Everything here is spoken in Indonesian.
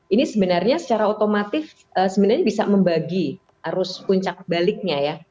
ini sebenarnya secara otomatis sebenarnya bisa membagi arus puncak baliknya ya